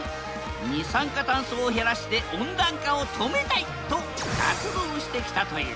二酸化酸素を減らして温暖化を止めたいと活動してきたという。